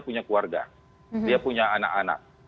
punya keluarga dia punya anak anak